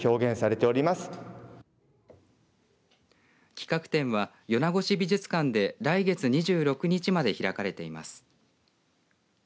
企画展は米子市美術館で来月２６日まで開かれています。